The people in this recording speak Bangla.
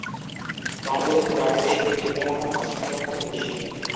তবে ওড়ার চেয়ে হেঁটে বেড়ানো পছন্দ করে বেশি।